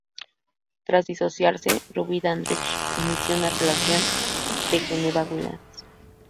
Tras divorciarse, Ruby Dandridge inició una relación con Geneva Williams.